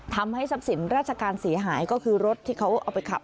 ทำให้ทรัพย์สินราชการเสียหายก็คือรถที่เขาเอาไปขับ